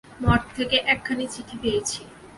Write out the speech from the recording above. মঠ থেকে একখানি চিঠি পেয়েছি।